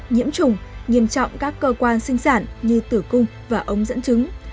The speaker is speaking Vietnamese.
nhiễm trùng nghiêm trọng các cơ quan sinh sản như tử cung và ống dẫn chứng